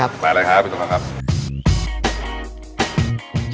กลับเลยครับขออนุญาตพูดเข้ามาข้างในนะครับ